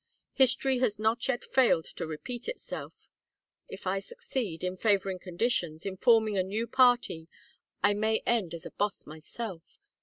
History has not yet failed to repeat itself. If I succeed, in favoring conditions, in forming a new party, I may end as a boss myself!